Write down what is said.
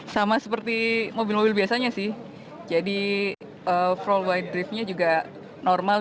sama seperti mobil mobil biasanya sih jadi fral white driftnya juga normal